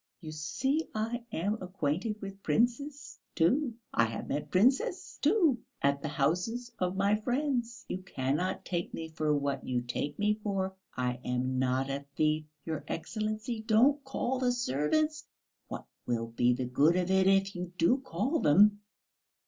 You see, I am acquainted with princes, too, I have met princes, too, at the houses of my friends; you cannot take me for what you take me for. I am not a thief. Your Excellency, don't call the servants; what will be the good of it if you do call them?"